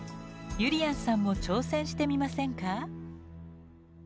ゆりやんさんも挑戦してみませんか？